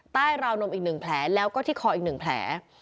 ราวนมอีก๑แผลแล้วก็ที่คออีก๑แผล